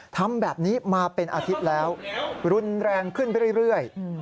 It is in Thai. ทำแบบนี้มาเป็นอาทิตย์แล้วรุนแรงขึ้นไปเรื่อย